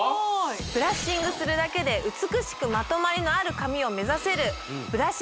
ブラッシングするだけで美しくまとまりのある髪を目指せるブラシ